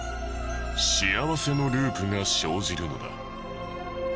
幸せのループが生じるのだ。